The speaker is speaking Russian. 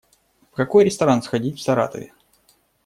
В какой ресторан сходить в Саратове?